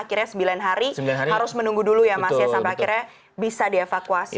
akhirnya sembilan hari harus menunggu dulu ya mas ya sampai akhirnya bisa dievakuasi